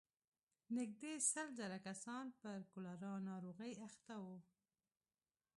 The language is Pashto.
نږدې سل زره کسان پر کولرا ناروغۍ اخته وو.